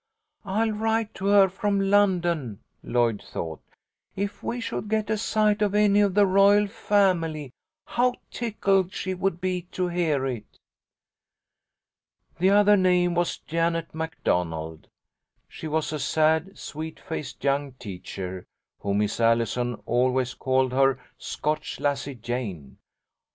"I'll write to her from London," Lloyd thought. "If we should get a sight of any of the royal family, how tickled she would be to hear it." The other name was Janet McDonald. She was a sad, sweet faced young teacher whom Miss Allison always called her "Scotch lassie Jane."